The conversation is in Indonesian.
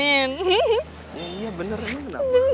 iya bener ini kenapa